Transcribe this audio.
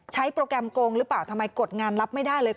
โปรแกรมโกงหรือเปล่าทำไมกดงานรับไม่ได้เลย